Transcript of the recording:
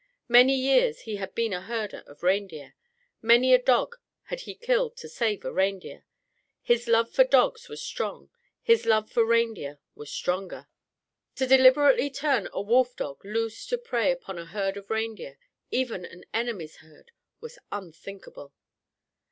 Many years he had been a herder of reindeer. Many a dog had he killed to save a reindeer. His love for dogs was strong. His love for reindeer was stronger. To deliberately turn a wolfdog loose to prey upon a herd of reindeer, even an enemy's herd, was unthinkable.